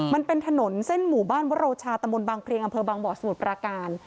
มันเป็นถนนเส้นหมู่บ้านวโรชาตำบลบางเพลียงอำเภอบางบ่อสมุทรปราการ